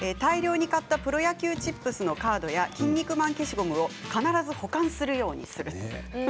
大量に買ったプロ野球チップスのカードやキン肉マン消しゴムを必ず保管するようにする。